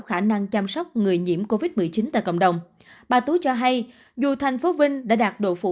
khả năng chăm sóc người nhiễm covid một mươi chín tại cộng đồng bà tú cho hay dù thành phố vinh đã đạt độ phủ